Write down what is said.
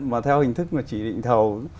mà theo hình thức mà chỉ định thầu